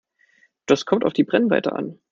Das kommt auf die Brennweite an.